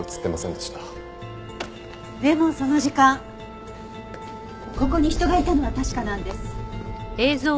でもその時間ここに人がいたのは確かなんです。